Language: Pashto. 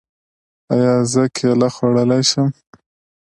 ایا زه کیله خوړلی شم؟